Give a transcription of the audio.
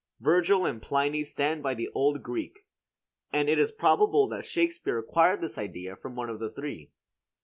Virgil and Pliny stand by the old Greek; and it is quite probable that Shakespeare acquired his idea from one of the three.